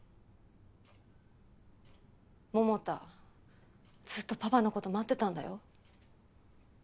百太ずっとパパの事待ってたんだよ？